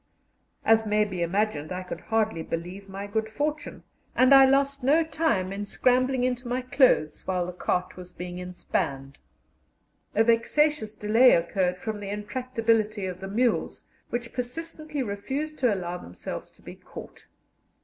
As may be imagined, I could hardly believe my good fortune, and I lost no time in scrambling into my clothes while the cart was being inspanned. A vexatious delay occurred from the intractability of the mules, which persistently refused to allow themselves to be caught.